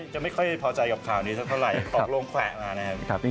จะไม่ค่อยพอใจกับข่าวนี้เท่าไหร่ออกลงแขวะมา